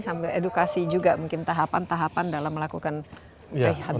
sambil edukasi juga mungkin tahapan tahapan dalam melakukan rehabilitasi